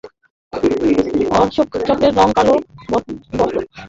অশোক চক্রের রং কালো বসো।